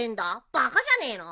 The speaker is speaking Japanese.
バカじゃねえの。